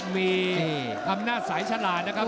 มีอำนาจสายฉลาดนะครับ